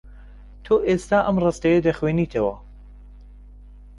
تۆ ئێستا ئەم ڕستەیە دەخوێنیتەوە.